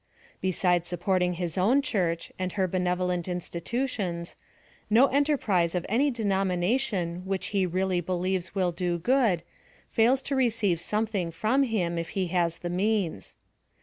Besides supporting his own church, and her benevolent institutions, no enterprise of any denomination which he really be lieves will do good, fails to receive something from him, if he has the means.